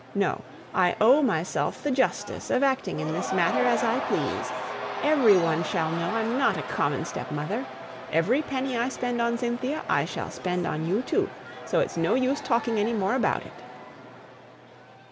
No! I owe myself the justice of acting in this matter as I please. Every one shall know I'm not a common stepmother. Every penny I spend on Cynthia I shall spend on you too; so it's no use talking any more about it."